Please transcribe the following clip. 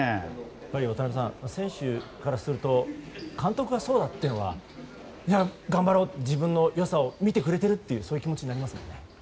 やっぱり、渡辺さん選手からすると、監督がそうだと頑張ろう自分の良さを見てくれてるそういう気持ちになりますよね。